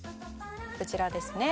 「こちらですね」